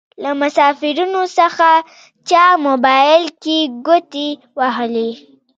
له مسافرينو څخه چا موبايل کې ګوتې وهلې.